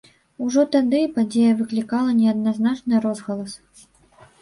Ужо тады падзея выклікала неадназначны розгалас.